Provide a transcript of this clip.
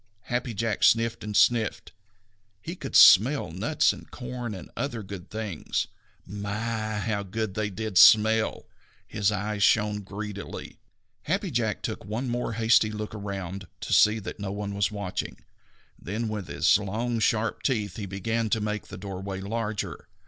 Happy Jack sniffed and sniffed. He could smell nuts and corn and other good things. My, how good they did smell! His eyes shone greedily. Happy Jack took one more hasty look around to see that no one was watching, then with his long sharp teeth he began to make the doorway larger.